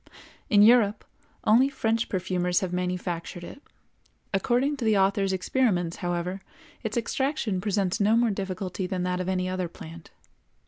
In Europe only French perfumers have manufactured it; according to the author's experiments, however, its extraction presents no more difficulty than that of any other plant.